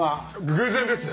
偶然です！